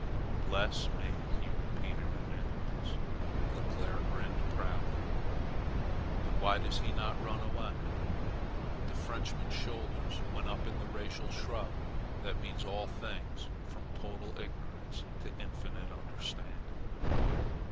"Bless me!" he repeated at intervals. Leclere grinned proudly. "But why does he not run away?" The Frenchman's shoulders went up in the racial shrug that means all things from total ignorance to infinite understanding.